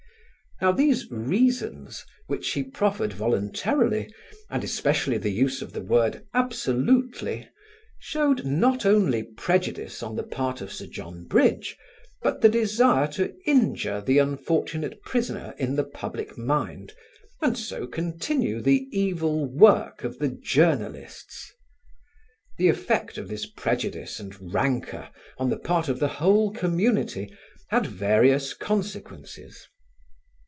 Now these reasons, which he proffered voluntarily, and especially the use of the word "absolutely," showed not only prejudice on the part of Sir John Bridge, but the desire to injure the unfortunate prisoner in the public mind and so continue the evil work of the journalists. The effect of this prejudice and rancour on the part of the whole community had various consequences.